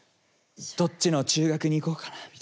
どっちの中学に行こうかなみたいな。